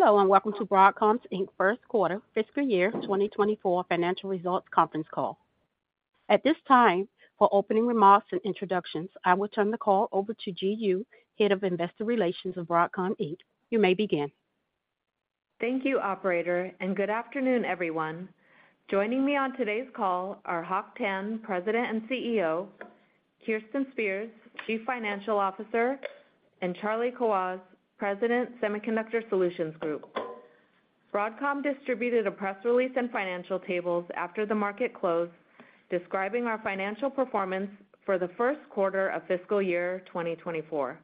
Hello and welcome to Broadcom Inc.'s first quarter, fiscal year 2024 financial results conference call. At this time, for opening remarks and introductions, I will turn the call over to Ji Yoo, Head of Investor Relations of Broadcom Inc. You may begin. Thank you, Operator, and good afternoon, everyone. Joining me on today's call are Hock Tan, President and CEO, Kirsten Spears, Chief Financial Officer, and Charlie Kawwas, President, Semiconductor Solutions Group. Broadcom distributed a press release and financial tables after the market closed describing our financial performance for the first quarter of fiscal year 2024.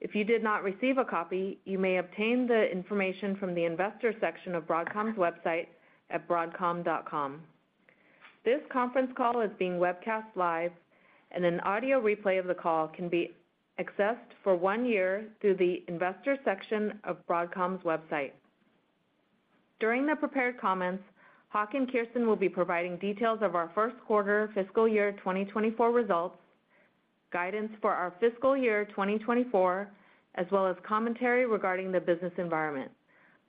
If you did not receive a copy, you may obtain the information from the Investor section of Broadcom's website at broadcom.com. This conference call is being webcast live, and an audio replay of the call can be accessed for one year through the Investor section of Broadcom's website. During the prepared comments, Hock and Kirsten will be providing details of our first quarter fiscal year 2024 results, guidance for our fiscal year 2024, as well as commentary regarding the business environment.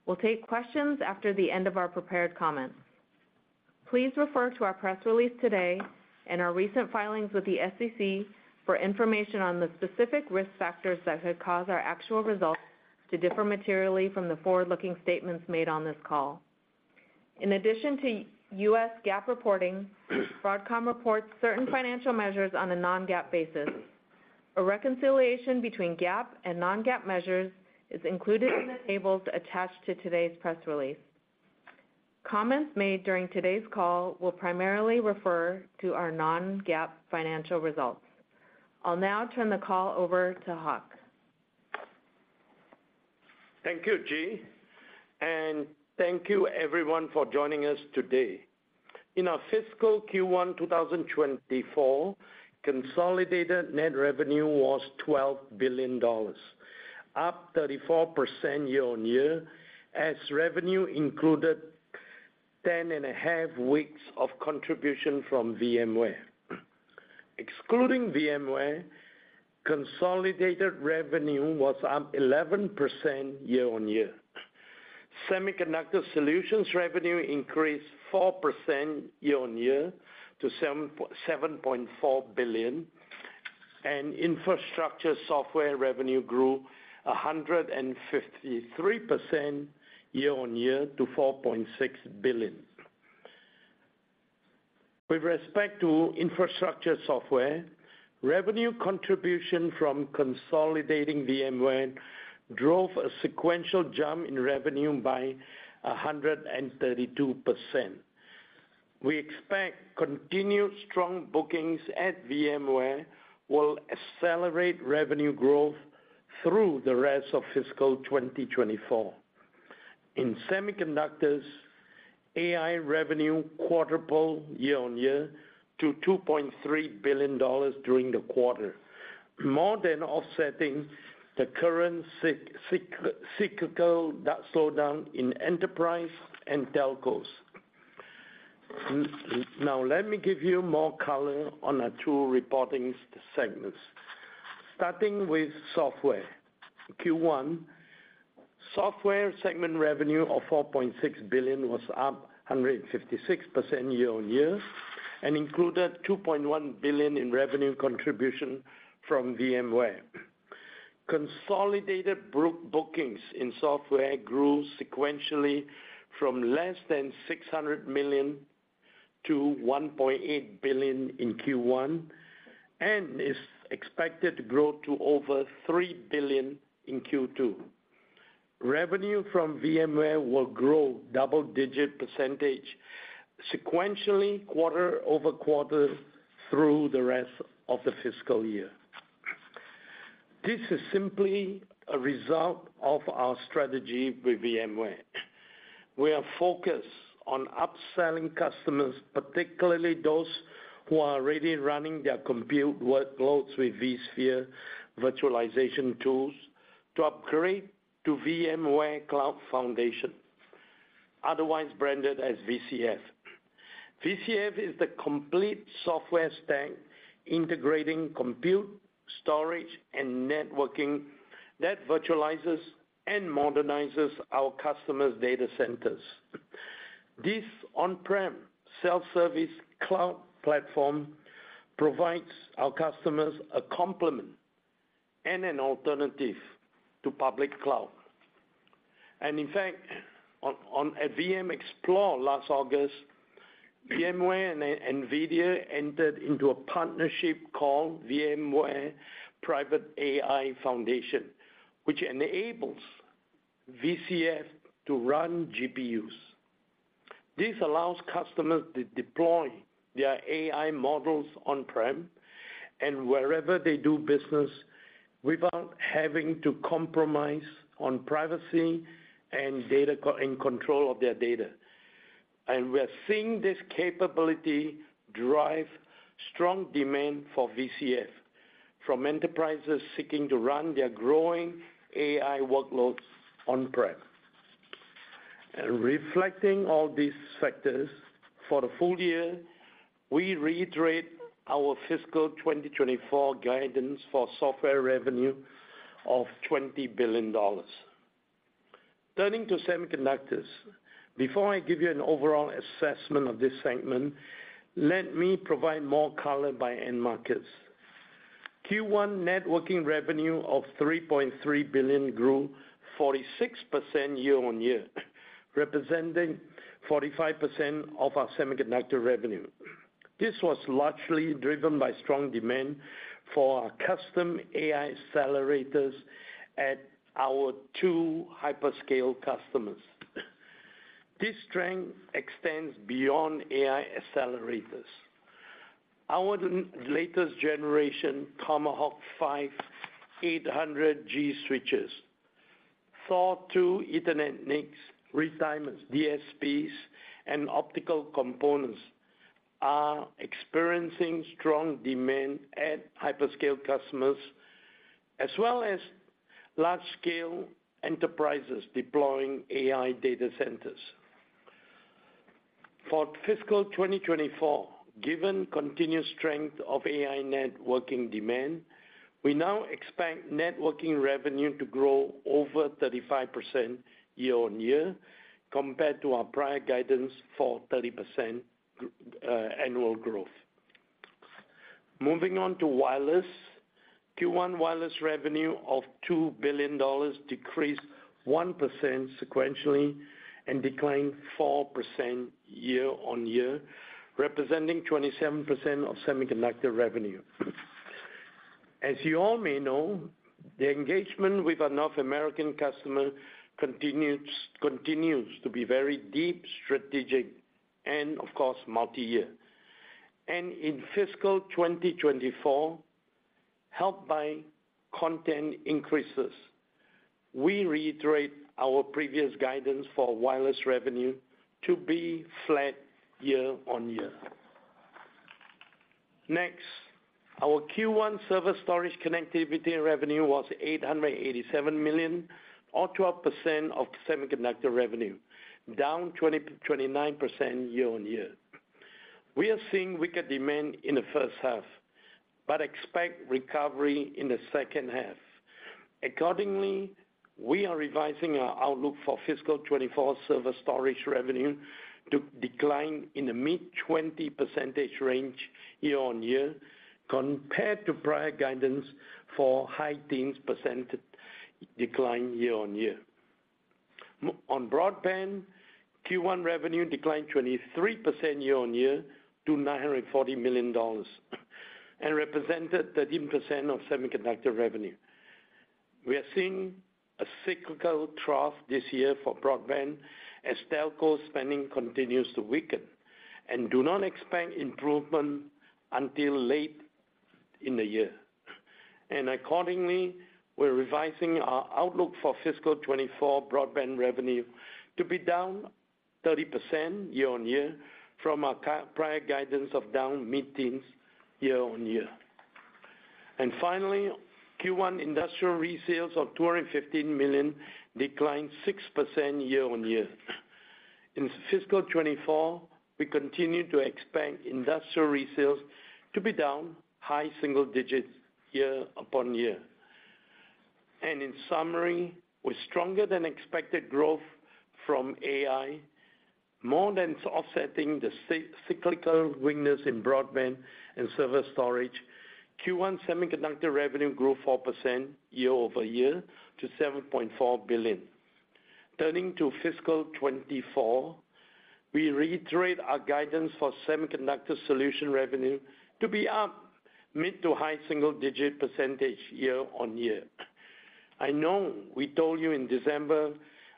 We'll take questions after the end of our prepared comments. Please refer to our press release today and our recent filings with the SEC for information on the specific risk factors that could cause our actual results to differ materially from the forward-looking statements made on this call. In addition to U.S. GAAP reporting, Broadcom reports certain financial measures on a non-GAAP basis. A reconciliation between GAAP and non-GAAP measures is included in the tables attached to today's press release. Comments made during today's call will primarily refer to our non-GAAP financial results. I'll now turn the call over to Hock. Thank you, Ji. Thank you, everyone, for joining us today. In our fiscal Q1 2024, consolidated net revenue was $12 billion, up 34% year-on-year as revenue included 10.5 weeks of contribution from VMware. Excluding VMware, consolidated revenue was up 11% year-on-year. Semiconductor Solutions revenue increased 4% year-on-year to $7.4 billion, and infrastructure software revenue grew 153% year-on-year to $4.6 billion. With respect to infrastructure software, revenue contribution from consolidating VMware drove a sequential jump in revenue by 132%. We expect continued strong bookings at VMware will accelerate revenue growth through the rest of fiscal 2024. In semiconductors, AI revenue quadrupled year-on-year to $2.3 billion during the quarter, more than offsetting the current cyclical slowdown in enterprise and telcos. Now, let me give you more color on our two reporting segments. Starting with software, Q1, software segment revenue of $4.6 billion was up 156% year-on-year and included $2.1 billion in revenue contribution from VMware. Consolidated bookings in software grew sequentially from less than $600 million to $1.8 billion in Q1 and is expected to grow to over $3 billion in Q2. Revenue from VMware will grow double-digit percentage sequentially quarter-over-quarter through the rest of the fiscal year. This is simply a result of our strategy with VMware. We are focused on upselling customers, particularly those who are already running their compute workloads with vSphere virtualization tools, to upgrade to VMware Cloud Foundation, otherwise branded as VCF. VCF is the complete software stack integrating compute, storage, and networking that virtualizes and modernizes our customers' data centers. This on-prem self-service cloud platform provides our customers a complement and an alternative to public cloud. In fact, at VM Explore last August, VMware and NVIDIA entered into a partnership called VMware Private AI Foundation, which enables VCF to run GPUs. This allows customers to deploy their AI models on-prem and wherever they do business without having to compromise on privacy and control of their data. We are seeing this capability drive strong demand for VCF from enterprises seeking to run their growing AI workloads on-prem. Reflecting all these factors for the full year, we reiterate our fiscal 2024 guidance for software revenue of $20 billion. Turning to semiconductors, before I give you an overall assessment of this segment, let me provide more color by end markets. Q1 networking revenue of $3.3 billion grew 46% year-on-year, representing 45% of our semiconductor revenue. This was largely driven by strong demand for our custom AI accelerators at our two hyperscale customers. This strength extends beyond AI accelerators. Our latest generation, Tomahawk 5 800G switches, SOAR 2 Ethernet NICs, retimers, DSPs, and optical components are experiencing strong demand at hyperscale customers, as well as large-scale enterprises deploying AI data centers. For fiscal 2024, given continued strength of AI networking demand, we now expect networking revenue to grow over 35% year-on-year compared to our prior guidance for 30% annual growth. Moving on to wireless, Q1 wireless revenue of $2 billion decreased 1% sequentially and declined 4% year-on-year, representing 27% of semiconductor revenue. As you all may know, the engagement with our North American customer continues to be very deep, strategic, and, of course, multi-year. In fiscal 2024, helped by content increases, we reiterate our previous guidance for wireless revenue to be flat year-on-year. Next, our Q1 server storage connectivity revenue was $887 million, or 12% of semiconductor revenue, down 29% year-on-year. We are seeing weaker demand in the first half but expect recovery in the second half. Accordingly, we are revising our outlook for fiscal 2024 server storage revenue to decline in the mid-20% range year-on-year compared to prior guidance for high-teens% decline year-on-year. On broadband, Q1 revenue declined 23% year-on-year to $940 million and represented 13% of semiconductor revenue. We are seeing a cyclical trough this year for broadband as telco spending continues to weaken and do not expect improvement until late in the year. And accordingly, we're revising our outlook for fiscal 2024 broadband revenue to be down 30% year-on-year from our prior guidance of down mid-teens% year-on-year. Finally, Q1 industrial resales of $215 million declined 6% year-over-year. In fiscal 2024, we continue to expect industrial resales to be down high single digits year-over-year. In summary, with stronger than expected growth from AI, more than offsetting the cyclical weakness in broadband and server storage, Q1 semiconductor revenue grew 4% year-over-year to $7.4 billion. Turning to fiscal 2024, we reiterate our guidance for semiconductor solution revenue to be up mid- to high-single-digit percentage year-over-year. I know we told you in December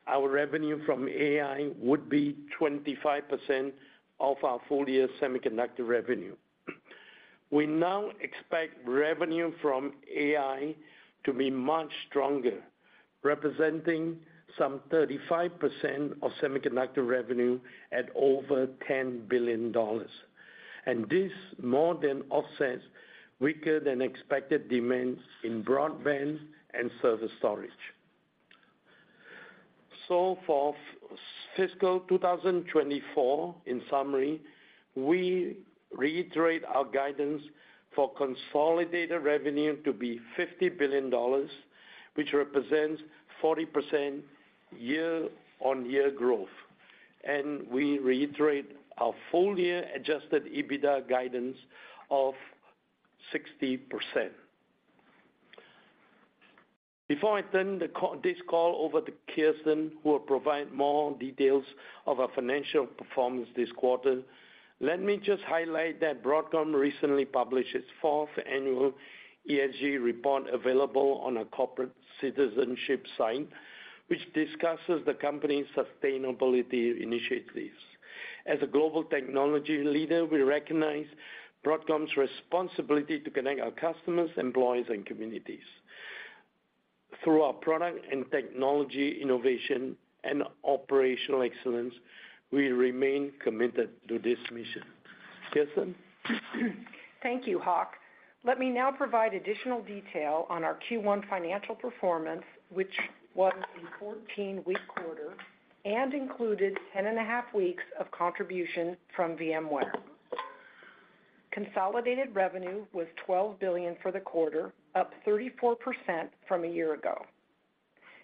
our revenue from AI would be 25% of our full year semiconductor revenue. We now expect revenue from AI to be much stronger, representing some 35% of semiconductor revenue at over $10 billion. This more than offsets weaker than expected demand in broadband and server storage. So for fiscal 2024, in summary, we reiterate our guidance for consolidated revenue to be $50 billion, which represents 40% year-on-year growth. We reiterate our full year Adjusted EBITDA guidance of 60%. Before I turn this call over to Kirsten, who will provide more details of our financial performance this quarter, let me just highlight that Broadcom recently published its fourth annual ESG report available on our corporate citizenship site, which discusses the company's sustainability initiatives. As a global technology leader, we recognize Broadcom's responsibility to connect our customers, employees, and communities. Through our product and technology innovation and operational excellence, we remain committed to this mission. Kirsten? Thank you, Hock. Let me now provide additional detail on our Q1 financial performance, which was a 14-week quarter and included 10.5 weeks of contribution from VMware. Consolidated revenue was $12 billion for the quarter, up 34% from a year ago.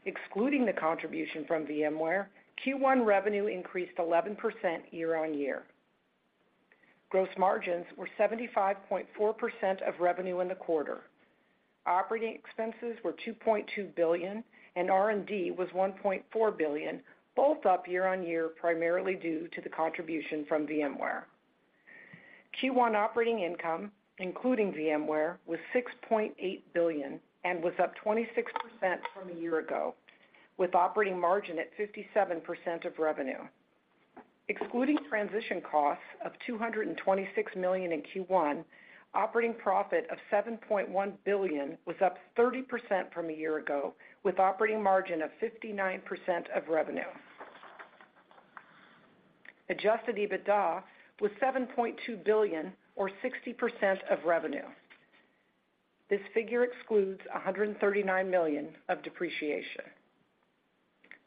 Excluding the contribution from VMware, Q1 revenue increased 11% year-on-year. Gross margins were 75.4% of revenue in the quarter. Operating expenses were $2.2 billion, and R&D was $1.4 billion, both up year-on-year primarily due to the contribution from VMware. Q1 operating income, including VMware, was $6.8 billion and was up 26% from a year ago, with operating margin at 57% of revenue. Excluding transition costs of $226 million in Q1, operating profit of $7.1 billion was up 30% from a year ago, with operating margin of 59% of revenue. Adjusted EBITDA was $7.2 billion, or 60% of revenue. This figure excludes $139 million of depreciation.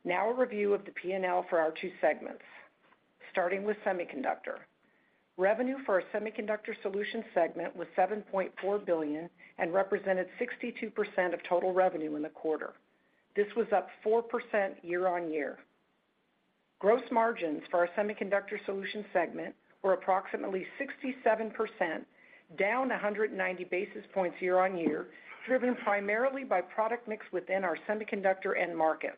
Now a review of the P&L for our two segments. Starting with semiconductor, revenue for our semiconductor solution segment was $7.4 billion and represented 62% of total revenue in the quarter. This was up 4% year-over-year. Gross margins for our semiconductor solution segment were approximately 67%, down 190 basis points year-over-year, driven primarily by product mix within our semiconductor end markets.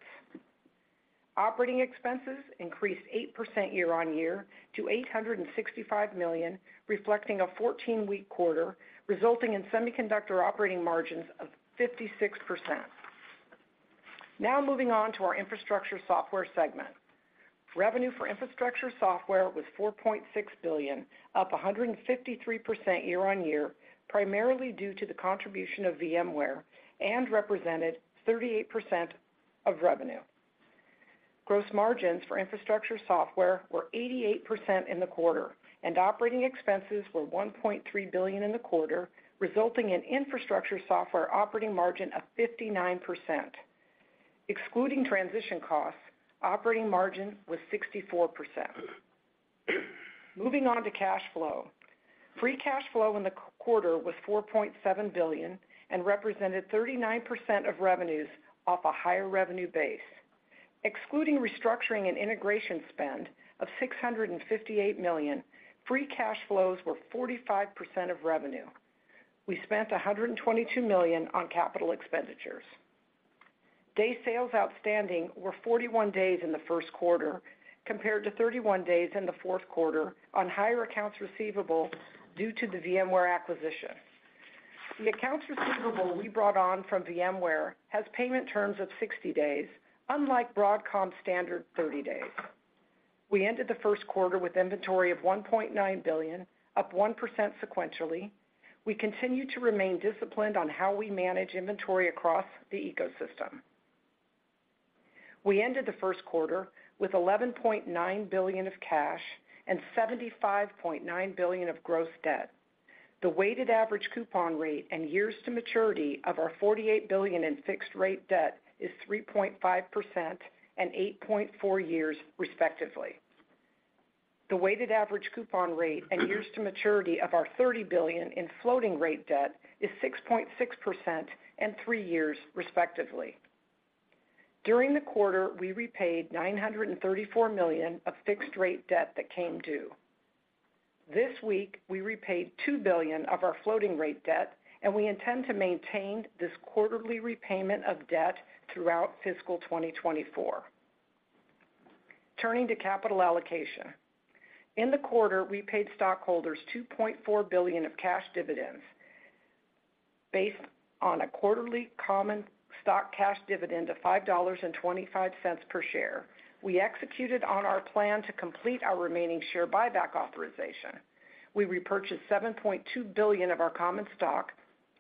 Operating expenses increased 8% year-over-year to $865 million, reflecting a 14-week quarter, resulting in semiconductor operating margins of 56%. Now moving on to our infrastructure software segment. Revenue for infrastructure software was $4.6 billion, up 153% year-over-year, primarily due to the contribution of VMware and represented 38% of revenue. Gross margins for infrastructure software were 88% in the quarter, and operating expenses were $1.3 billion in the quarter, resulting in infrastructure software operating margin of 59%. Excluding transition costs, operating margin was 64%. Moving on to cash flow. Free cash flow in the quarter was $4.7 billion and represented 39% of revenues off a higher revenue base. Excluding restructuring and integration spend of $658 million, free cash flows were 45% of revenue. We spent $122 million on capital expenditures. Day sales outstanding were 41 days in the first quarter compared to 31 days in the fourth quarter on higher accounts receivable due to the VMware acquisition. The accounts receivable we brought on from VMware has payment terms of 60 days, unlike Broadcom's standard 30 days. We ended the first quarter with inventory of $1.9 billion, up 1% sequentially. We continue to remain disciplined on how we manage inventory across the ecosystem. We ended the first quarter with $11.9 billion of cash and $75.9 billion of gross debt. The weighted average coupon rate and years to maturity of our $48 billion in fixed-rate debt is 3.5% and 8.4 years, respectively. The weighted average coupon rate and years to maturity of our $30 billion in floating-rate debt is 6.6% and 3 years, respectively. During the quarter, we repaid $934 million of fixed-rate debt that came due. This week, we repaid $2 billion of our floating-rate debt, and we intend to maintain this quarterly repayment of debt throughout fiscal 2024. Turning to capital allocation. In the quarter, we paid stockholders $2.4 billion of cash dividends based on a quarterly common stock cash dividend of $5.25 per share. We executed on our plan to complete our remaining share buyback authorization. We repurchased $7.2 billion of our common stock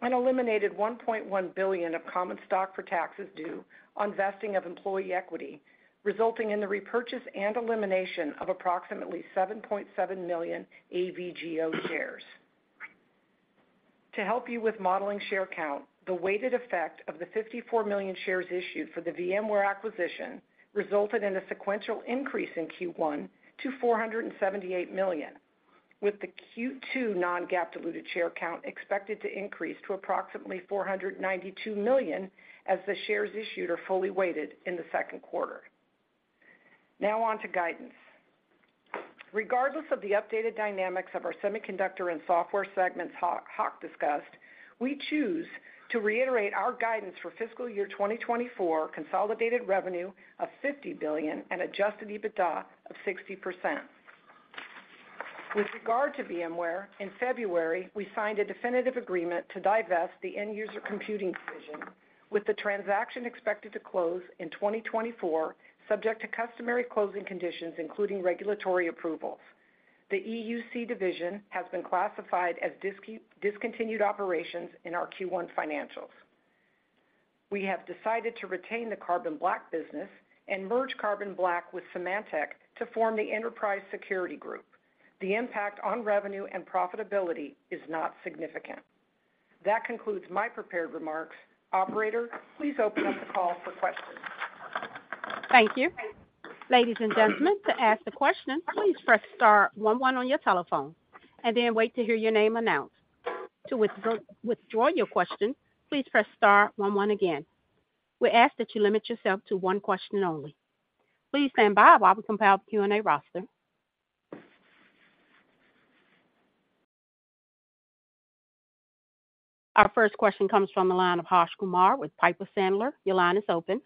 and eliminated $1.1 billion of common stock for taxes due on vesting of employee equity, resulting in the repurchase and elimination of approximately 7.7 million AVGO shares. To help you with modeling share count, the weighted effect of the 54 million shares issued for the VMware acquisition resulted in a sequential increase in Q1 to 478 million, with the Q2 non-GAAP diluted share count expected to increase to approximately 492 million as the shares issued are fully weighted in the second quarter. Now on to guidance. Regardless of the updated dynamics of our semiconductor and software segments Hock discussed, we choose to reiterate our guidance for fiscal year 2024 consolidated revenue of $50 billion and adjusted EBITDA of 60%. With regard to VMware, in February, we signed a definitive agreement to divest the End-User Computing division, with the transaction expected to close in 2024 subject to customary closing conditions including regulatory approvals. The EUC division has been classified as discontinued operations in our Q1 financials. We have decided to retain the Carbon Black business and merge Carbon Black with Symantec to form the Enterprise Security Group. The impact on revenue and profitability is not significant. That concludes my prepared remarks. Operator, please open up the call for questions. Thank you. Ladies and gentlemen, to ask a question, please press star 11 on your telephone and then wait to hear your name announced. To withdraw your question, please press star 11 again. We're asked that you limit yourself to one question only. Please stand by while we compile the Q&A roster. Our first question comes from the line of Harsh Kumar with Piper Sandler. Your line is open.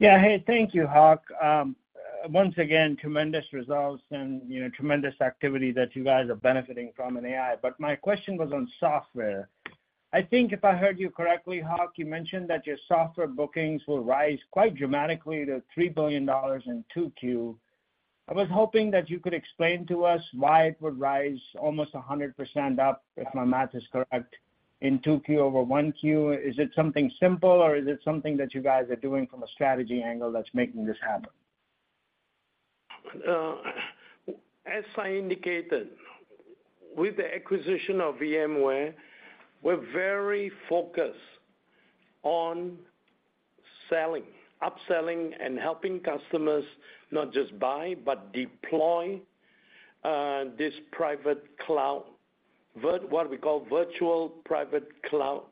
Yeah, hey, thank you, Hock. Once again, tremendous results and tremendous activity that you guys are benefiting from in AI. But my question was on software. I think if I heard you correctly, Hock, you mentioned that your software bookings will rise quite dramatically to $3 billion in 2Q. I was hoping that you could explain to us why it would rise almost 100% up, if my math is correct, in 2Q over 1Q. Is it something simple, or is it something that you guys are doing from a strategy angle that's making this happen? As I indicated, with the acquisition of VMware, we're very focused on selling, upselling, and helping customers not just buy but deploy this private cloud, what we call virtual private cloud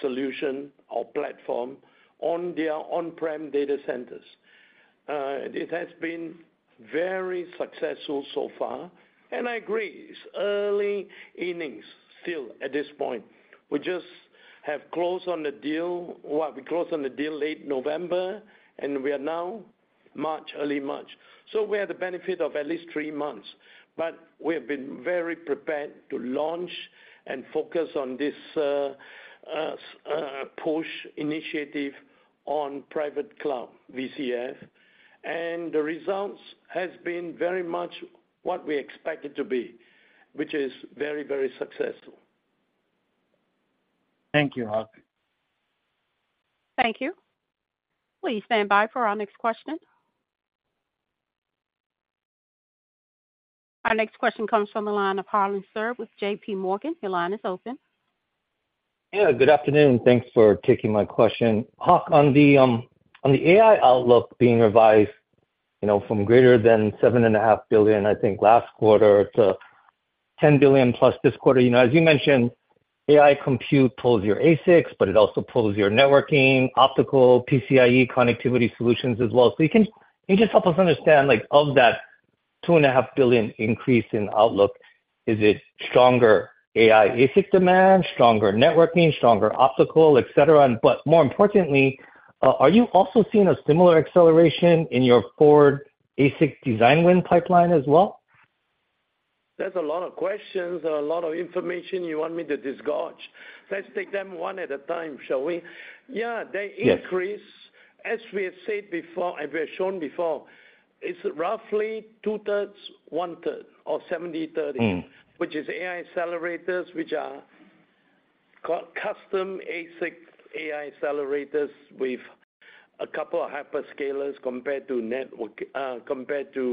solution or platform on their on-prem data centers. It has been very successful so far, and I agree, it's early innings still at this point. Well, we closed on the deal late November, and we are now March, early March. So we have the benefit of at least 3 months. But we have been very prepared to launch and focus on this push initiative on private cloud, VCF. And the results have been very much what we expected to be, which is very, very successful. Thank you, Hock. Thank you. Will you stand by for our next question? Our next question comes from the line of Harlan Sur with JPMorgan. Your line is open. Yeah, good afternoon. Thanks for taking my question. Hock, on the AI outlook being revised from greater than $7.5 billion, I think, last quarter to $10 billion+ this quarter, as you mentioned, AI compute pulls your ASICs, but it also pulls your networking, optical, PCIe connectivity solutions as well. So can you just help us understand of that $2.5 billion increase in outlook, is it stronger AI ASIC demand, stronger networking, stronger optical, etc.? But more importantly, are you also seeing a similar acceleration in your forward ASIC design win pipeline as well? There's a lot of questions, a lot of information you want me to disgorge. Let's take them one at a time, shall we? Yeah, the increase, as we have said before and we have shown before, it's roughly two-thirds, one-third, or 70/30, which is AI accelerators, which are custom ASIC AI accelerators with a couple of hyperscalers compared to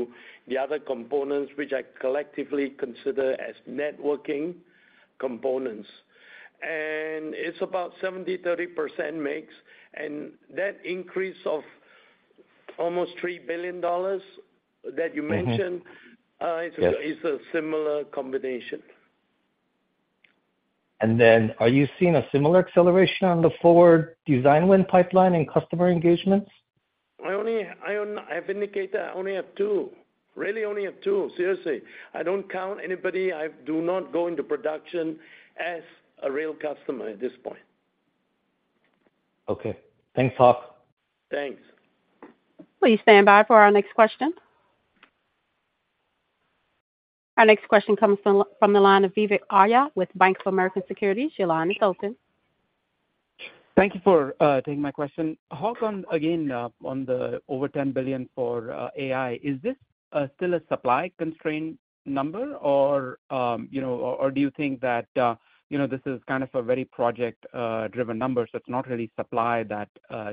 the other components, which I collectively consider as networking components. And it's about 70/30% mix. And that increase of almost $3 billion that you mentioned is a similar combination. Are you seeing a similar acceleration on the forward design win pipeline in customer engagements? I have indicated I only have two. Really, only have two. Seriously. I don't count anybody. I do not go into production as a real customer at this point. Okay. Thanks, Hock. Thanks. Will you stand by for our next question? Our next question comes from the line of Vivek Arya with Bank of America Securities. Your line is open. Thank you for taking my question. Hock, again, on the over $10 billion for AI, is this still a supply-constrained number, or do you think that this is kind of a very project-driven number? So it's not really supply that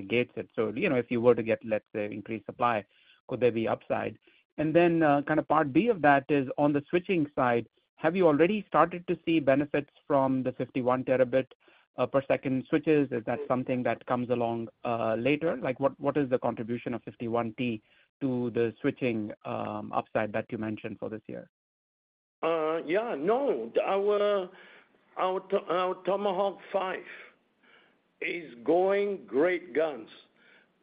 gates it. So if you were to get, let's say, increased supply, could there be upside? And then kind of part B of that is, on the switching side, have you already started to see benefits from the 51 terabit per second switches? Is that something that comes along later? What is the contribution of 51T to the switching upside that you mentioned for this year? Yeah. No. Our Tomahawk 5 is going great guns.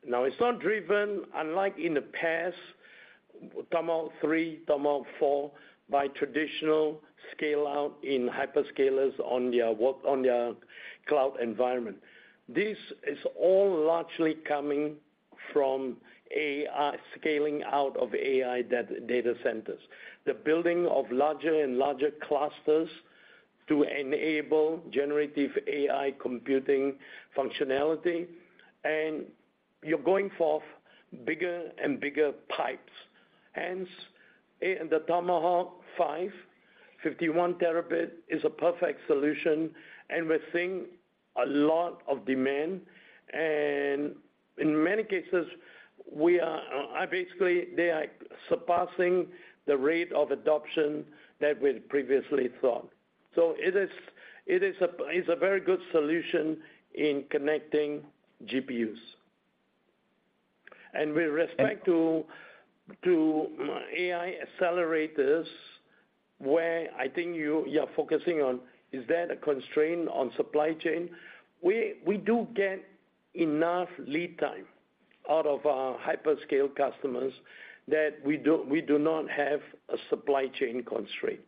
Now, it's not driven, unlike in the past, Tomahawk 3, Tomahawk 4, by traditional scale-out in hyperscalers on their cloud environment. This is all largely coming from scaling out of AI data centers, the building of larger and larger clusters to enable generative AI computing functionality. And you're going for bigger and bigger pipes. Hence, the Tomahawk 5, 51 terabit, is a perfect solution. And we're seeing a lot of demand. And in many cases, we are basically, they are surpassing the rate of adoption that we previously thought. So it is a very good solution in connecting GPUs. And with respect to AI accelerators, where I think you are focusing on, is that a constraint on supply chain? We do get enough lead time out of our hyperscale customers that we do not have a supply chain constraint.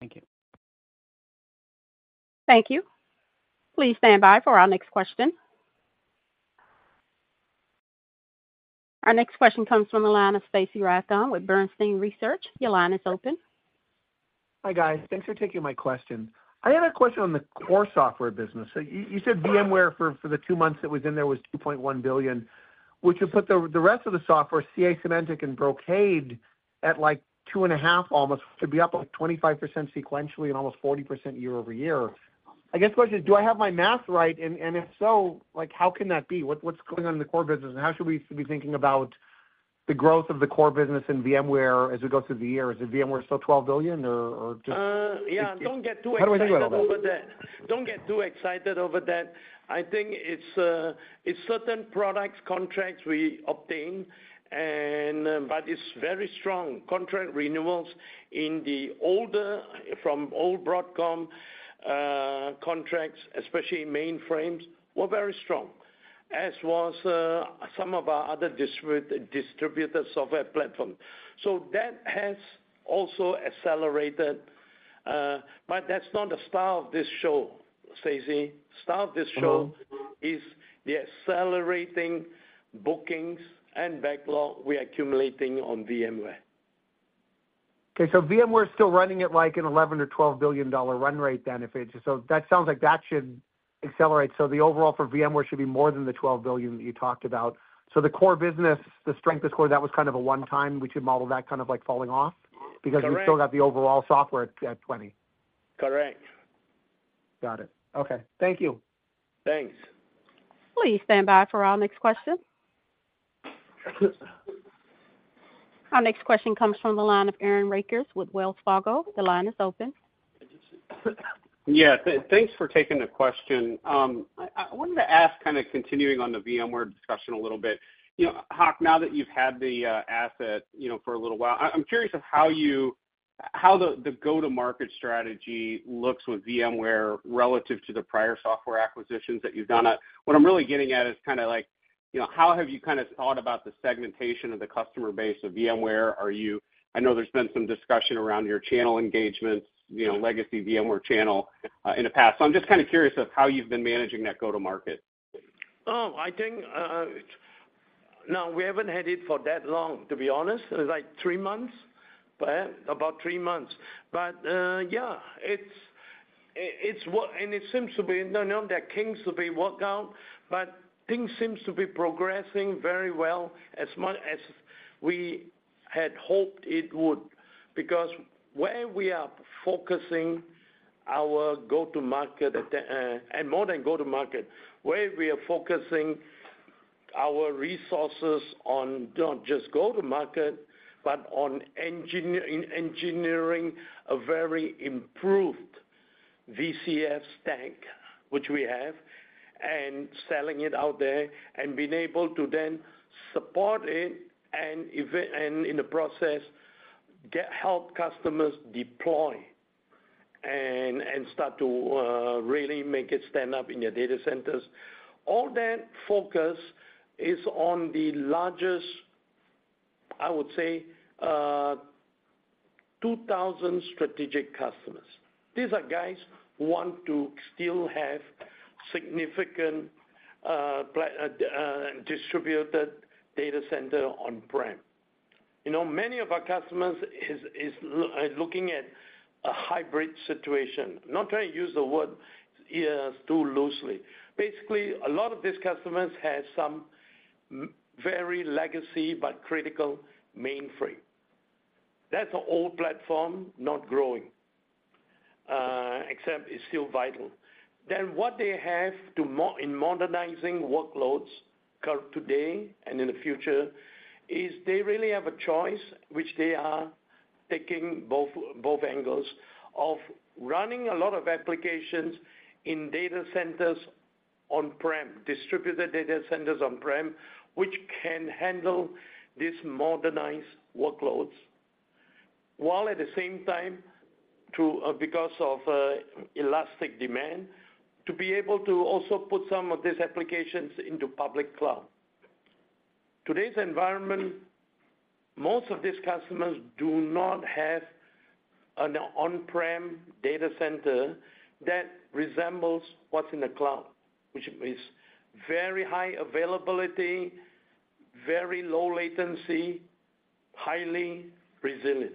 Thank you. Thank you. Please stand by for our next question. Our next question comes from the line of Stacy Rasgon with Bernstein Research. Your line is open. Hi, guys. Thanks for taking my question. I had a question on the core software business. You said VMware, for the two months it was in there, was $2.1 billion, which would put the rest of the software, CA Symantec and Brocade, at like $2.5 billion almost, to be up like 25% sequentially and almost 40% year-over-year. I guess the question is, do I have my math right? And if so, how can that be? What's going on in the core business? And how should we be thinking about the growth of the core business in VMware as we go through the year? Is it VMware still $12 billion, or just? Yeah, don't get too excited over that. How do I think about that? Don't get too excited over that. I think it's certain products contracts we obtain, but it's very strong. Contract renewals from old Broadcom contracts, especially mainframes, were very strong, as was some of our other distributed software platforms. So that has also accelerated. But that's not the star of this show, Stacy. Star of this show is the accelerating bookings and backlog we're accumulating on VMware. Okay. VMware is still running at like a $11 billion-$12 billion run rate then. If it's so, that sounds like that should accelerate. The overall for VMware should be more than the $12 billion that you talked about. The core business, the strength, the score, that was kind of a one-time. We should model that kind of like falling off because we've still got the overall software at $20 billion. Correct. Got it. Okay. Thank you. Thanks. Will you stand by for our next question? Our next question comes from the line of Aaron Rakers with Wells Fargo. The line is open. Yeah. Thanks for taking the question. I wanted to ask, kind of continuing on the VMware discussion a little bit. Hock, now that you've had the asset for a little while, I'm curious of how the go-to-market strategy looks with VMware relative to the prior software acquisitions that you've done. What I'm really getting at is kind of how have you kind of thought about the segmentation of the customer base of VMware? I know there's been some discussion around your channel engagements, legacy VMware channel, in the past. So I'm just kind of curious of how you've been managing that go-to-market. Oh, I think now, we haven't had it for that long, to be honest. It's like three months, about three months. But yeah, it seems that things will be worked out. But things seem to be progressing very well as much as we had hoped it would because where we are focusing our go-to-market and more than go-to-market, where we are focusing our resources on not just go-to-market, but on engineering a very improved VCF stack, which we have, and selling it out there and being able to then support it and, in the process, help customers deploy and start to really make it stand up in their data centers. All that focus is on the largest, I would say, 2,000 strategic customers. These are guys who want to still have significant distributed data center on-prem. Many of our customers are looking at a hybrid situation. I'm not trying to use the word too loosely. Basically, a lot of these customers have some very legacy but critical mainframe. That's an old platform, not growing, except it's still vital. Then what they have in modernizing workloads today and in the future is they really have a choice, which they are taking both angles of running a lot of applications in data centers on-prem, distributed data centers on-prem, which can handle these modernized workloads while, at the same time, because of elastic demand, to be able to also put some of these applications into public cloud. Today's environment, most of these customers do not have an on-prem data center that resembles what's in the cloud, which is very high availability, very low latency, highly resilient,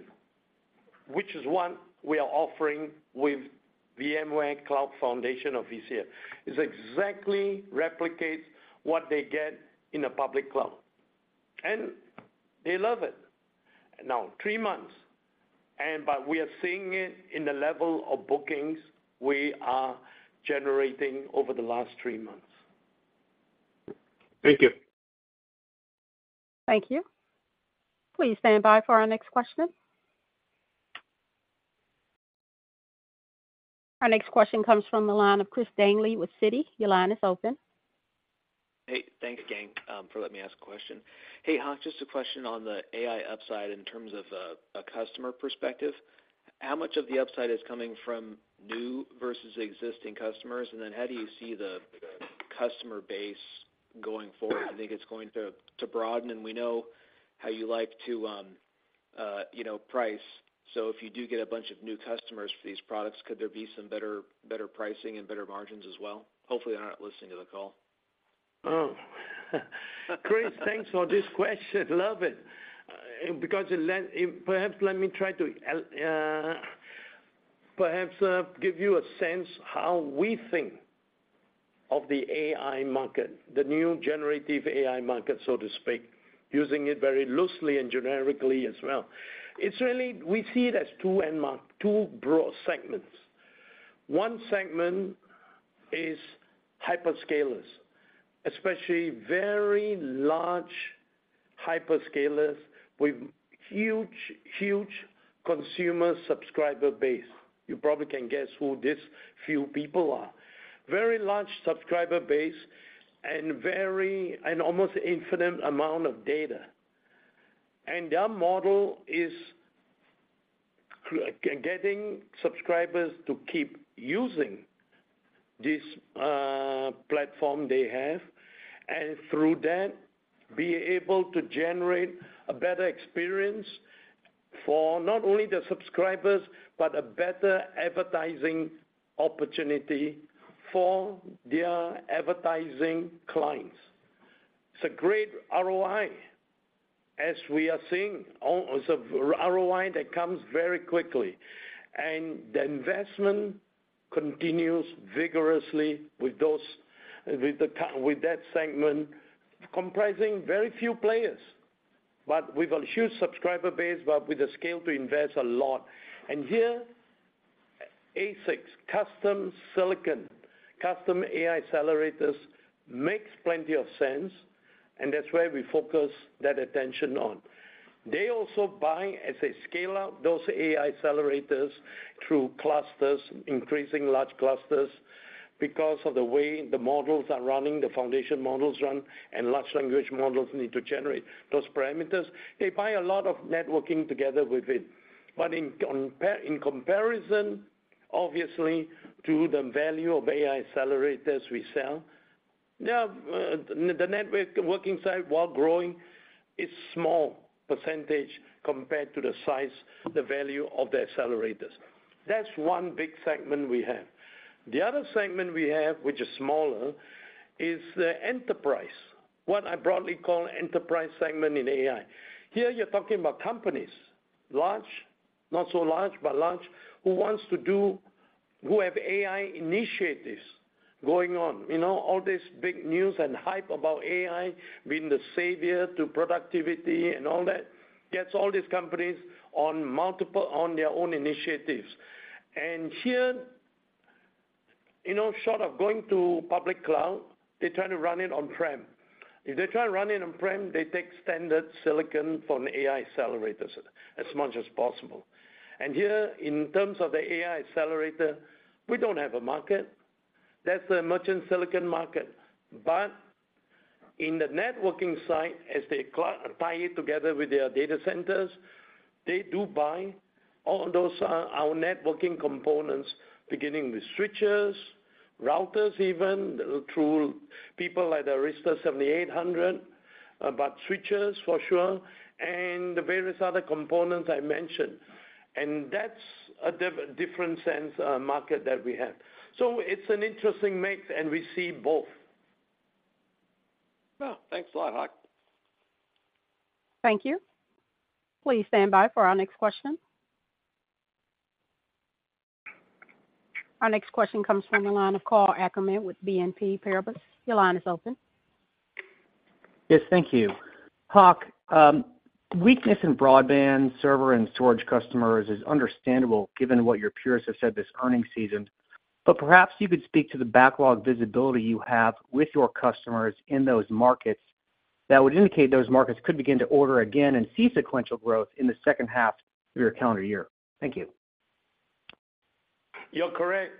which is what we are offering with VMware Cloud Foundation of VCF. It exactly replicates what they get in a public cloud. They love it. Now, three months, but we are seeing it in the level of bookings we are generating over the last three months. Thank you. Thank you. Will you stand by for our next question? Our next question comes from the line of Chris Daneley with Citi. Your line is open. Hey, thanks again for letting me ask a question. Hey, Hock, just a question on the AI upside in terms of a customer perspective. How much of the upside is coming from new versus existing customers? And then how do you see the customer base going forward? Do you think it's going to broaden? And we know how you like to price. So if you do get a bunch of new customers for these products, could there be some better pricing and better margins as well? Hopefully, they're not listening to the call. Oh, Chris, thanks for this question. Love it. Perhaps let me try to perhaps give you a sense how we think of the AI market, the new generative AI market, so to speak, using it very loosely and generically as well. We see it as two broad segments. One segment is hyperscalers, especially very large hyperscalers with huge, huge consumer subscriber base. You probably can guess who these few people are. Very large subscriber base and almost infinite amount of data. Their model is getting subscribers to keep using this platform they have and, through that, be able to generate a better experience for not only the subscribers, but a better advertising opportunity for their advertising clients. It's a great ROI, as we are seeing. It's an ROI that comes very quickly. And the investment continues vigorously with that segment, comprising very few players, but with a huge subscriber base, but with a scale to invest a lot. And here, ASICs, custom silicon, custom AI accelerators makes plenty of sense. And that's where we focus that attention on. They also buy, as they scale out those AI accelerators through clusters, increasing large clusters because of the way the models are running, the foundation models run, and large language models need to generate those parameters. They buy a lot of networking together with it. But in comparison, obviously, to the value of AI accelerators we sell, the networking side, while growing, is a small percentage compared to the size, the value of the accelerators. That's one big segment we have. The other segment we have, which is smaller, is the enterprise, what I broadly call enterprise segment in AI. Here, you're talking about companies, large, not so large, but large, who wants to do who have AI initiatives going on. All this big news and hype about AI being the savior to productivity and all that gets all these companies on their own initiatives. And here, short of going to public cloud, they try to run it on-prem. If they try to run it on-prem, they take standard silicon for AI accelerators as much as possible. And here, in terms of the AI accelerator, we don't have a market. That's the merchant silicon market. But in the networking side, as they tie it together with their data centers, they do buy all those our networking components, beginning with switches, routers even, through people like the Arista 7800, but switches, for sure, and the various other components I mentioned. And that's a different segment market that we have. It's an interesting mix, and we see both. Yeah. Thanks a lot, Hock. Thank you. Please stand by for our next question. Our next question comes from the line of Karl Ackerman with BNP Paribas. Your line is open. Yes. Thank you. Hock, weakness in broadband server and storage customers is understandable given what your peers have said this earnings season. But perhaps you could speak to the backlog visibility you have with your customers in those markets that would indicate those markets could begin to order again and see sequential growth in the second half of your calendar year. Thank you. You're correct.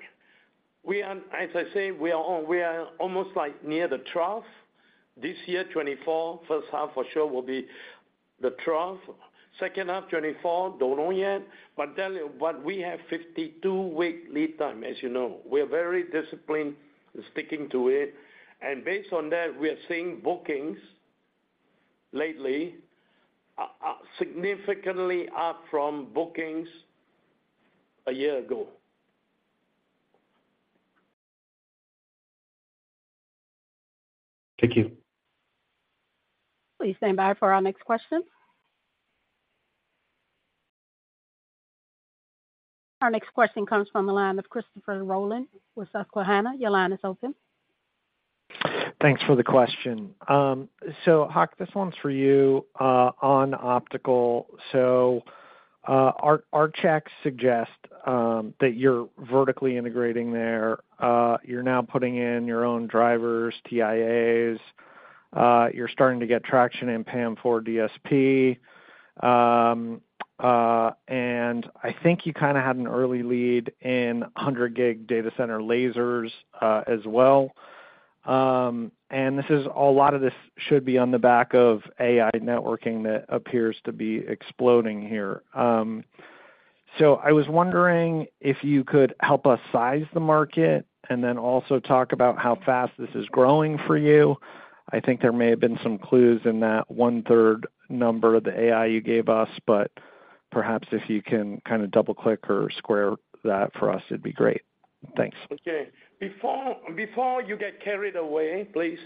As I said, we are almost near the trough. This year, 2024, first half, for sure, will be the trough. Second half, 2024, don't know yet. But tell you what, we have 52-week lead time, as you know. We are very disciplined, sticking to it. And based on that, we are seeing bookings lately significantly up from bookings a year ago. Thank you. Please stand by for our next question. Our next question comes from the line of Christopher Rolland with Susquehanna. Your line is open. Thanks for the question. So, Hock, this one's for you on optical. So our checks suggest that you're vertically integrating there. You're now putting in your own drivers, TIAs. You're starting to get traction in PAM4 DSP. And I think you kind of had an early lead in 100-gig data center lasers as well. And a lot of this should be on the back of AI networking that appears to be exploding here. So I was wondering if you could help us size the market and then also talk about how fast this is growing for you. I think there may have been some clues in that one-third number of the AI you gave us. But perhaps if you can kind of double-click or square that for us, it'd be great. Thanks. Okay. Before you get carried away, please,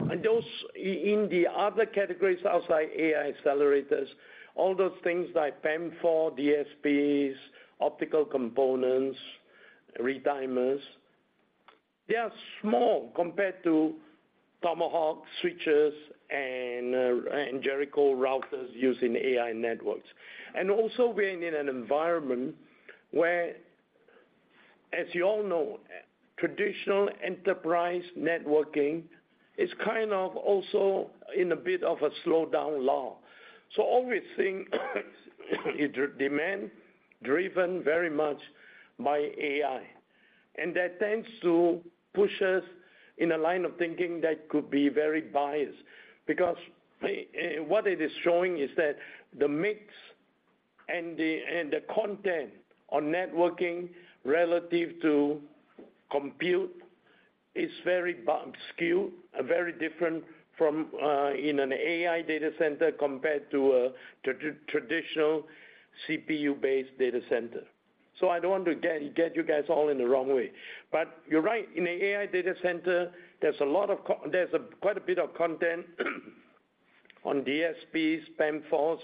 in the other categories outside AI accelerators, all those things like PAM4 DSPs, optical components, retimers, they are small compared to Tomahawk, switches, and Jericho routers using AI networks. And also, we're in an environment where, as you all know, traditional enterprise networking is kind of also in a bit of a slowdown, though. So all we're seeing is demand-driven very much by AI. And that tends to push us in a line of thinking that could be very biased because what it is showing is that the mix and the content on networking relative to compute is very obscure, very different from in an AI data center compared to a traditional CPU-based data center. So I don't want to get you guys all in the wrong way. But you're right. In an AI data center, there's quite a bit of content on DSPs, PAM4s,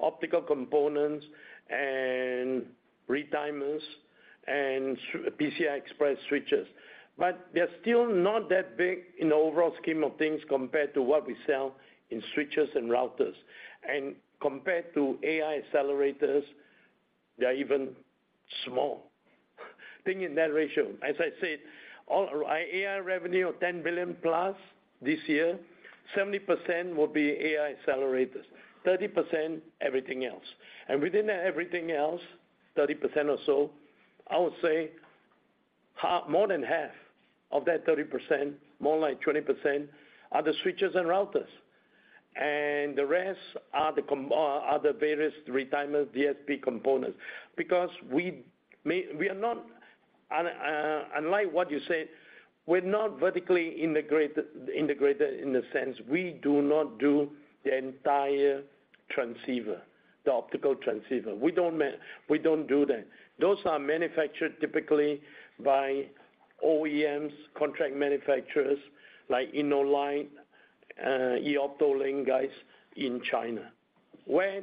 optical components, and retimers, and PCI Express switches. But they're still not that big in the overall scheme of things compared to what we sell in switches and routers. And compared to AI accelerators, they're even small. Think in that ratio. As I said, our AI revenue of $10 billion+ this year, 70% will be AI accelerators, 30% everything else. And within that everything else, 30% or so, I would say more than half of that 30%, more like 20%, are the switches and routers. And the rest are the various retimers, DSP components. Because we are not, unlike what you said, we're not vertically integrated in the sense we do not do the entire transceiver, the optical transceiver. We don't do that. Those are manufactured typically by OEMs, contract manufacturers like Innolight, Eoptolink guys in China, where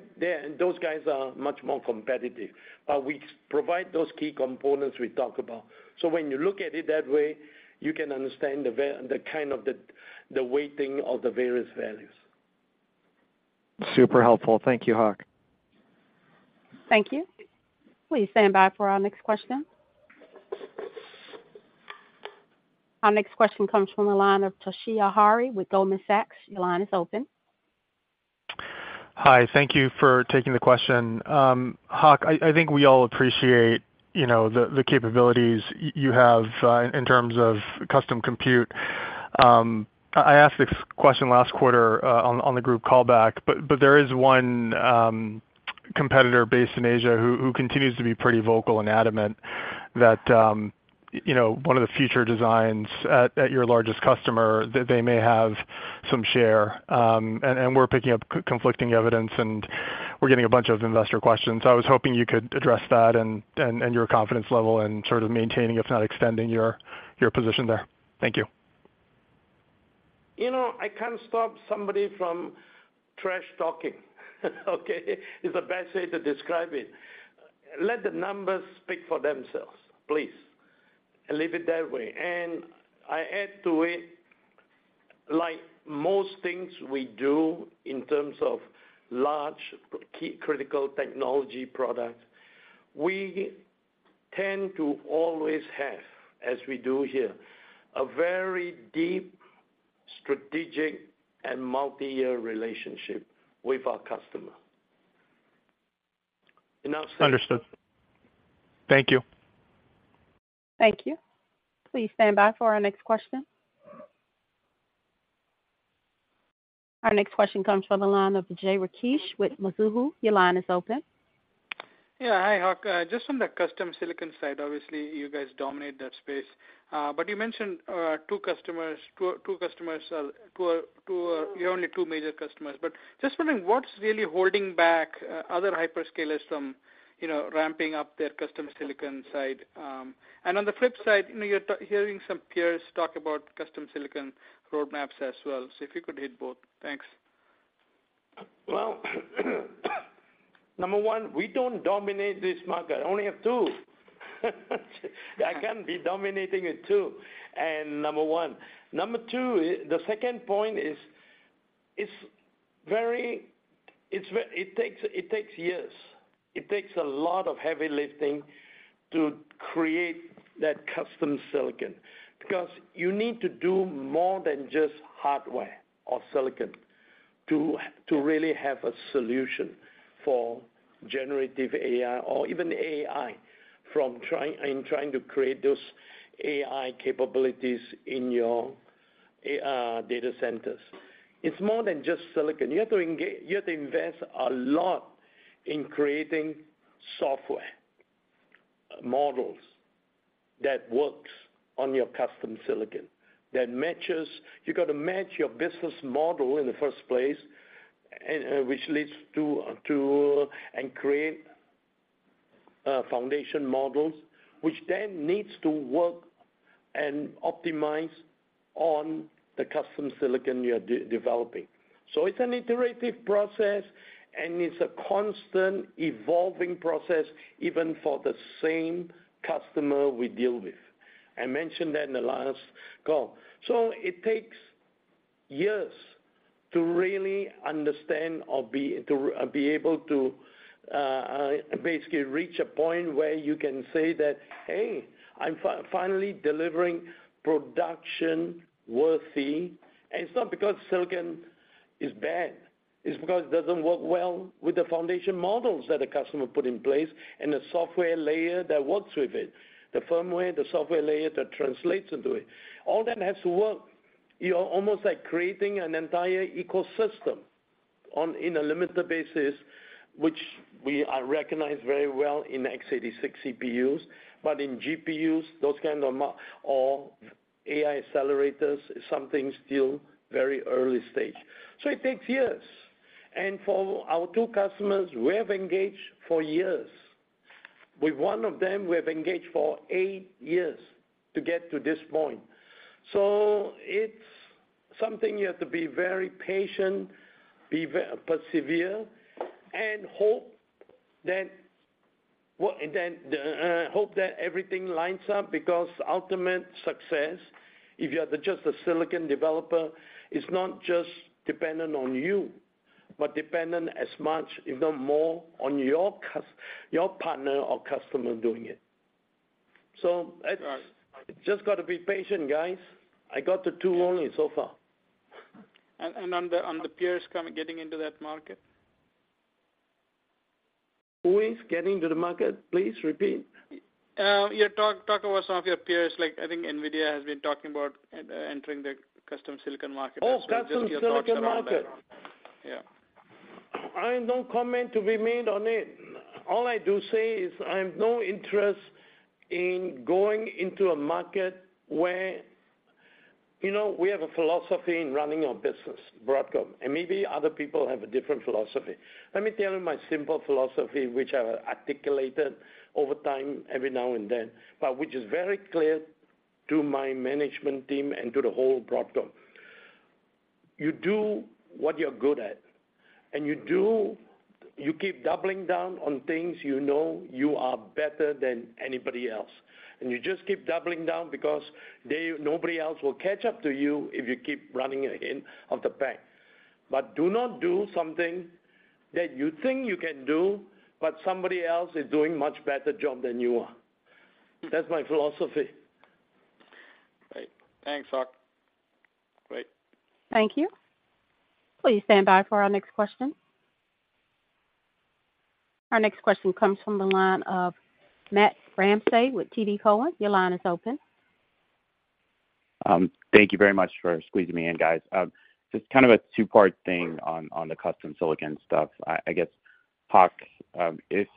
those guys are much more competitive. But we provide those key components we talk about. So when you look at it that way, you can understand the kind of the weighting of the various values. Super helpful. Thank you, Hock. Thank you. Please stand by for our next question. Our next question comes from the line of Toshiya Hari with Goldman Sachs. Your line is open. Hi. Thank you for taking the question. Hock, I think we all appreciate the capabilities you have in terms of custom compute. I asked this question last quarter on the group callback, but there is one competitor based in Asia who continues to be pretty vocal and adamant that one of the future designs at your largest customer, they may have some share. And we're picking up conflicting evidence, and we're getting a bunch of investor questions. So I was hoping you could address that and your confidence level in sort of maintaining, if not extending, your position there. Thank you. I can't stop somebody from trash talking, okay? It's the best way to describe it. Let the numbers speak for themselves, please, and leave it that way. I add to it, like most things we do in terms of large critical technology products, we tend to always have, as we do here, a very deep strategic and multi-year relationship with our customer. Enough said. Understood. Thank you. Thank you. Please stand by for our next question. Our next question comes from the line of Vijay Rakesh with Mizuho. Your line is open. Yeah. Hi, Hock. Just from the custom silicon side, obviously, you guys dominate that space. But you mentioned two customers as your only two major customers. But just wondering, what's really holding back other hyperscalers from ramping up their custom silicon side? And on the flip side, you're hearing some peers talk about custom silicon roadmaps as well. So if you could hit both. Thanks. Well, number one, we don't dominate this market. I only have 2. I can't be dominating it too. And number one. Number two, the second point is it takes years. It takes a lot of heavy lifting to create that custom silicon because you need to do more than just hardware or silicon to really have a solution for generative AI or even AI in trying to create those AI capabilities in your data centers. It's more than just silicon. You have to invest a lot in creating software models that work on your custom silicon that matches you've got to match your business model in the first place, which leads to and create foundation models, which then needs to work and optimize on the custom silicon you're developing. So it's an iterative process, and it's a constant evolving process even for the same customer we deal with. I mentioned that in the last call. So it takes years to really understand or be able to basically reach a point where you can say that, "Hey, I'm finally delivering production-worthy." And it's not because silicon is bad. It's because it doesn't work well with the foundation models that a customer put in place and the software layer that works with it, the firmware, the software layer that translates into it. All that has to work. You're almost like creating an entire ecosystem on an unlimited basis, which we recognize very well in x86 CPUs. But in GPUs, those kinds of or AI accelerators, something still very early stage. So it takes years. And for our two customers, we have engaged for years. With one of them, we have engaged for eight years to get to this point. So it's something you have to be very patient, persevere, and hope that everything lines up because ultimate success, if you're just a silicon developer, is not just dependent on you but dependent as much, if not more, on your partner or customer doing it. So it's just got to be patient, guys. I got to 2 only so far. On the peers getting into that market? Who is getting into the market? Please repeat. Talk about some of your peers. I think NVIDIA has been talking about entering the custom silicon market as well. Oh, custom silicon market. Yeah. I have no comment to be made on it. All I do say is I have no interest in going into a market where we have a philosophy in running our business, Broadcom. And maybe other people have a different philosophy. Let me tell you my simple philosophy, which I have articulated over time every now and then, but which is very clear to my management team and to the whole Broadcom. You do what you're good at, and you keep doubling down on things you know you are better than anybody else. And you just keep doubling down because nobody else will catch up to you if you keep running ahead of the pack. But do not do something that you think you can do, but somebody else is doing a much better job than you are. That's my philosophy. Great. Thanks, Hock. Great. Thank you. Please stand by for our next question. Our next question comes from the line of Matt Ramsay with TD Cowen. Your line is open. Thank you very much for squeezing me in, guys. Just kind of a two-part thing on the custom silicon stuff. I guess, Hock, if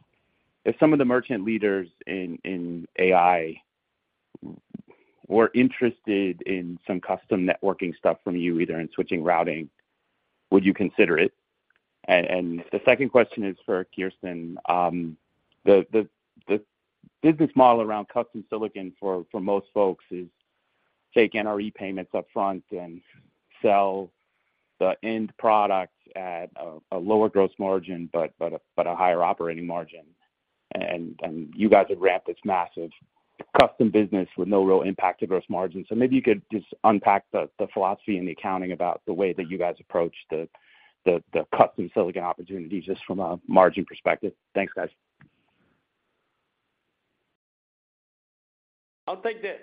some of the merchant leaders in AI were interested in some custom networking stuff from you, either in switching routing, would you consider it? And the second question is for Kirsten. The business model around custom silicon for most folks is take NRE payments upfront and sell the end product at a lower gross margin but a higher operating margin. And you guys have ramped this massive custom business with no real impact to gross margin. So maybe you could just unpack the philosophy and the accounting about the way that you guys approach the custom silicon opportunities just from a margin perspective. Thanks, guys. I'll take that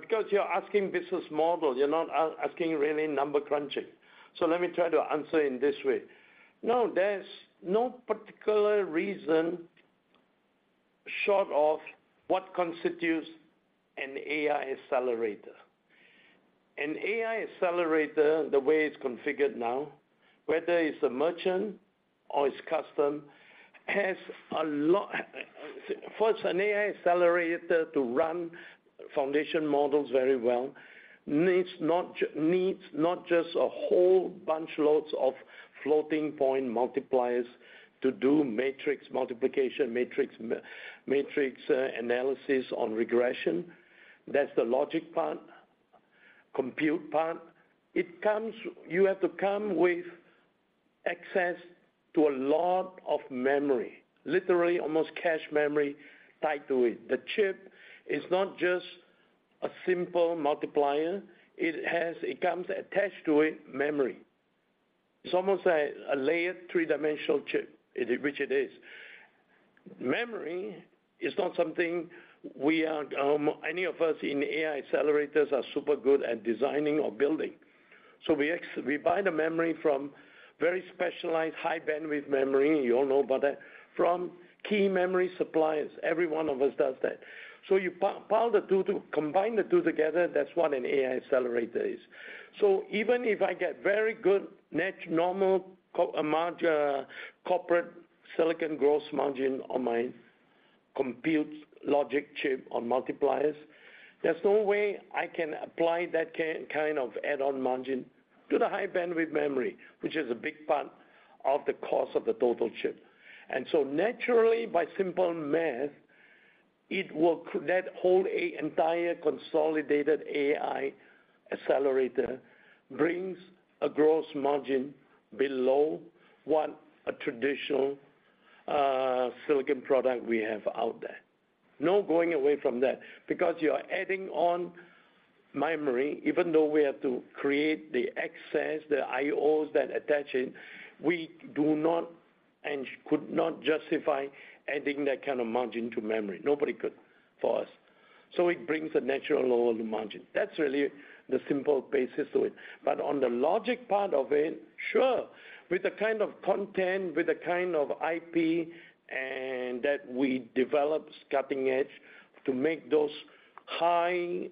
because you're asking business model. You're not asking really number crunching. So let me try to answer in this way. No, there's no particular reason short of what constitutes an AI accelerator. An AI accelerator, the way it's configured now, whether it's a merchant or it's custom, has a lot first, an AI accelerator to run foundation models very well needs not just a whole bunch loads of floating-point multipliers to do matrix multiplication, matrix analysis on regression. That's the logic part, compute part. You have to come with access to a lot of memory, literally almost cache memory tied to it. The chip is not just a simple multiplier. It comes attached to it memory. It's almost a layered three-dimensional chip, which it is. Memory is not something we are any of us in AI accelerators are super good at designing or building. So we buy the memory from very specialized high-bandwidth memory. You all know about that from key memory suppliers. Every one of us does that. So you combine the two together. That's what an AI accelerator is. So even if I get very good, normal corporate silicon gross margin on my compute logic chip on multipliers, there's no way I can apply that kind of add-on margin to the high-bandwidth memory, which is a big part of the cost of the total chip. And so naturally, by simple math, that whole entire consolidated AI accelerator brings a gross margin below what a traditional silicon product we have out there. No going away from that because you're adding on memory. Even though we have to create the access, the I/Os that attach it, we do not and could not justify adding that kind of margin to memory. Nobody could for us. It brings a natural lower margin. That's really the simple basis to it. But on the logic part of it, sure, with the kind of content, with the kind of IP that we develop, cutting-edge to make those high-density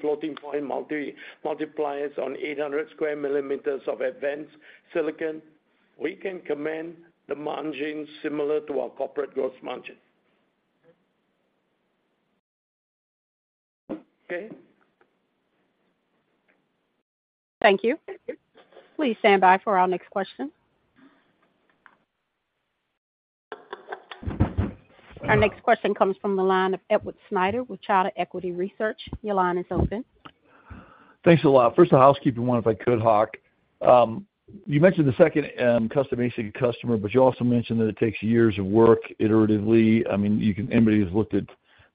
floating-point multipliers on 800 sq mm of advanced silicon, we can command the margin similar to our corporate gross margin. Okay? Thank you. Please stand by for our next question. Our next question comes from the line of Edward Snyder with Charter Equity Research. Your line is open. Thanks a lot. First, a housekeeping one, if I could, Hock. You mentioned the second custom ASIC customer, but you also mentioned that it takes years of work iteratively. I mean, anybody who's looked at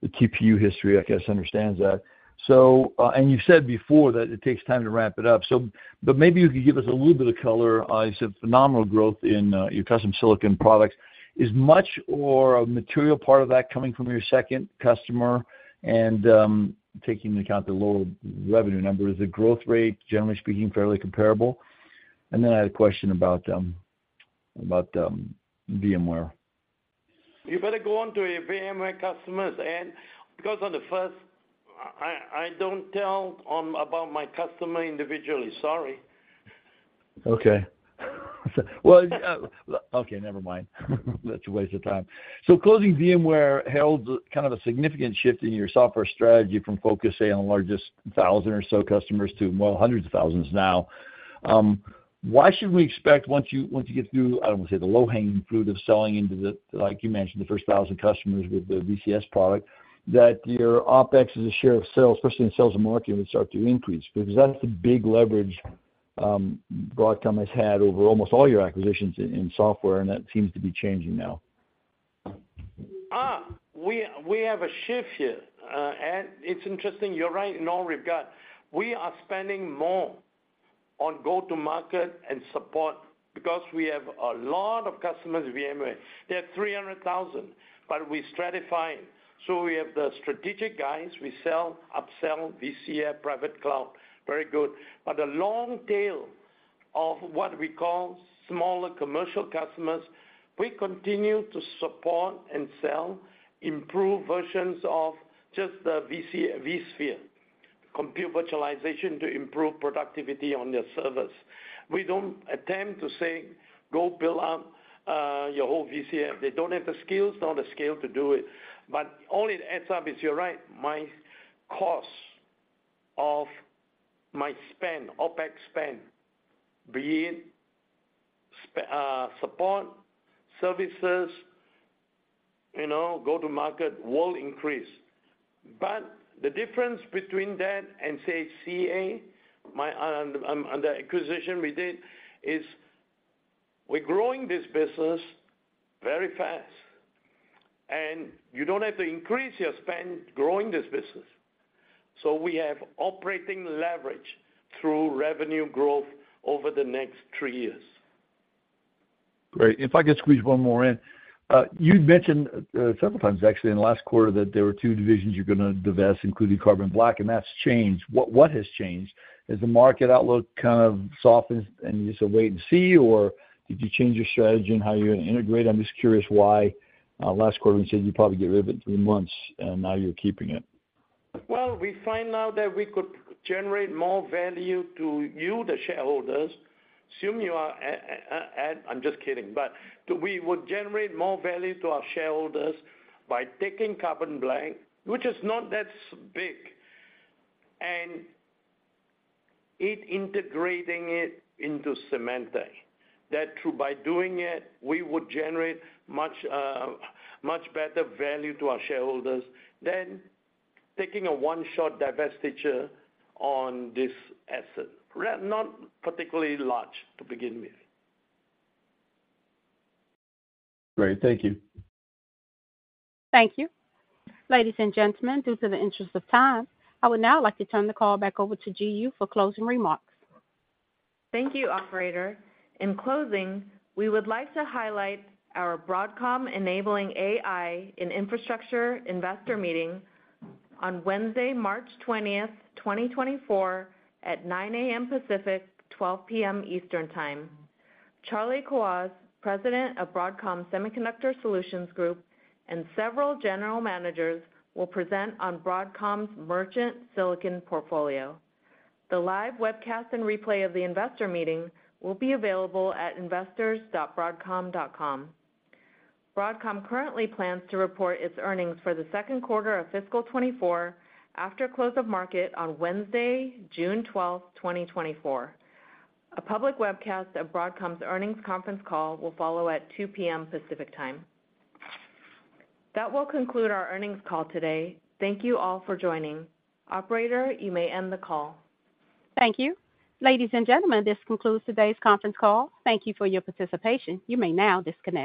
the TPU history, I guess, understands that. And you've said before that it takes time to ramp it up. But maybe you could give us a little bit of color. You said phenomenal growth in your custom silicon products. Is much or a material part of that coming from your second customer and taking into account the lower revenue number? Is the growth rate, generally speaking, fairly comparable? And then I had a question about VMware. You better go on to your VMware customers because on the first, I don't tell about my customer individually. Sorry. Okay. Well, okay. Never mind. That's a waste of time. So, closing, VMware held kind of a significant shift in your software strategy from focus, say, on the largest 1,000 or so customers to, well, hundreds of thousands now. Why should we expect, once you get through, I don't want to say the low-hanging fruit of selling into, like you mentioned, the first 1,000 customers with the VCS product, that your OpEx as a share of sales, especially in sales and marketing, would start to increase? Because that's the big leverage Broadcom has had over almost all your acquisitions in software, and that seems to be changing now. We have a shift here. It's interesting. You're right in all we've got. We are spending more on go-to-market and support because we have a lot of customers, VMware. They have 300,000, but we're stratifying. We have the strategic guys. We sell, upsell, VCF, private cloud. Very good. The long tail of what we call smaller commercial customers, we continue to support and sell improved versions of just the vSphere, compute virtualization to improve productivity on your service. We don't attempt to say, "Go build up your whole VCF." They don't have the skills, not the scale to do it. All it adds up is, you're right, my cost of my spend, OpEx spend, be it support, services, go-to-market, will increase. The difference between that and, say, CA, under acquisition we did, is we're growing this business very fast, and you don't have to increase your spend growing this business. We have operating leverage through revenue growth over the next three years. Great. If I could squeeze one more in. You'd mentioned several times, actually, in the last quarter that there were two divisions you're going to divest, including Carbon Black, and that's changed. What has changed? Has the market outlook kind of softened, and you said, "Wait and see," or did you change your strategy in how you integrate? I'm just curious why. Last quarter, you said you'd probably get rid of it in three months, and now you're keeping it. Well, we find now that we could generate more value to you, the shareholders. Assume you are. I'm just kidding. But we would generate more value to our shareholders by taking Carbon Black, which is not that big, and integrating it into Symantec, that by doing it, we would generate much better value to our shareholders than taking a one-shot divestiture on this asset, not particularly large, to begin with. Great. Thank you. Thank you. Ladies and gentlemen, due to the interest of time, I would now like to turn the call back over to Ji Yoo for closing remarks. Thank you, operator. In closing, we would like to highlight our Broadcom enabling AI in infrastructure investor meeting on Wednesday, March 20th, 2024, at 9:00 A.M. Pacific, 12:00 P.M. Eastern Time. Charlie Kawwas, President of Broadcom Semiconductor Solutions Group, and several general managers will present on Broadcom's merchant silicon portfolio. The live webcast and replay of the investor meeting will be available at investors.broadcom.com. Broadcom currently plans to report its earnings for the second quarter of fiscal 2024 after close of market on Wednesday, June 12th, 2024. A public webcast of Broadcom's earnings conference call will follow at 2:00 P.M. Pacific Time. That will conclude our earnings call today. Thank you all for joining. Operator, you may end the call. Thank you. Ladies and gentlemen, this concludes today's conference call. Thank you for your participation. You may now disconnect.